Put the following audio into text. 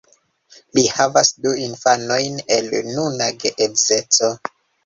Li havas du infanojn el nuna geedzeco.